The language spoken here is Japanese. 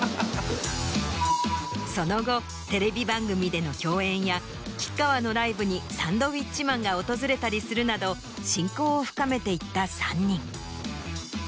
その後テレビ番組での共演や吉川のライブにサンドウィッチマンが訪れたりするなど親交を深めていった３人。